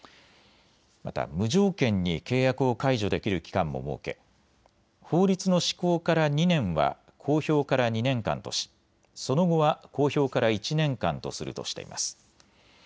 また無条件に契約を解除できる期間も設け法律の施行から２年は公表から２年間とし、その後は公表から１年間とするとしています。